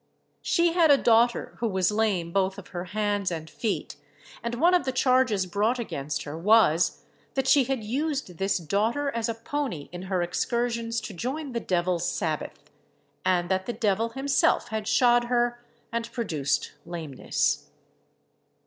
She had a daughter who was lame both of her hands and feet, and one of the charges brought against her was, that she had used this daughter as a pony in her excursions to join the devil's sabbath, and that the devil himself had shod her, and produced lameness.